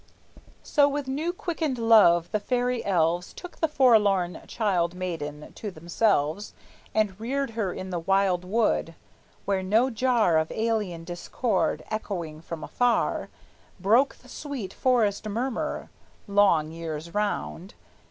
So with new quickened love the fairy elves Took the forlorn child maiden to themselves And reared her in the wildwood, where no jar Of alien discord, echoing from afar, Broke the sweet forest murmur, long years round.